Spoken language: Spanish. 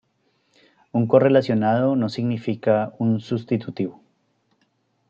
Un correlacionado no significa un sustitutivo.